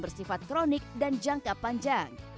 bersifat kronik dan jangka panjang